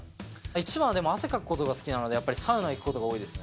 一番はでも、汗かくことが好きなので、やっぱりサウナ行くことが多いですね。